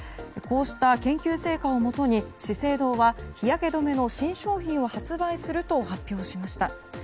こうした研究成果をもとに資生堂は日焼け止めの新商品を発売すると発表しました。